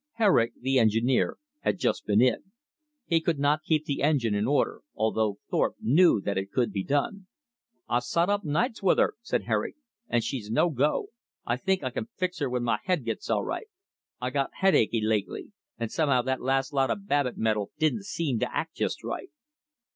Herrick, the engineer, had just been in. He could not keep the engine in order, although Thorpe knew that it could be done. "I've sot up nights with her," said Herrick, "and she's no go. I think I can fix her when my head gets all right. I got headachy lately. And somehow that last lot of Babbit metal didn't seem to act just right."